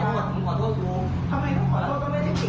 ไม่พูด